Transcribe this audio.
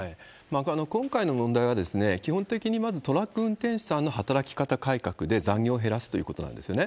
今回の問題は、基本的にまず、トラック運転手さんの働き方改革で、残業を減らすということなんですね。